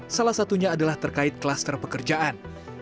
salah satunya adalah terkait kluster pekerjaan